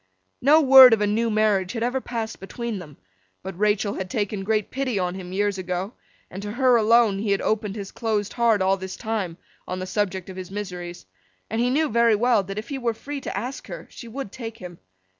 No word of a new marriage had ever passed between them; but Rachael had taken great pity on him years ago, and to her alone he had opened his closed heart all this time, on the subject of his miseries; and he knew very well that if he were free to ask her, she would take him.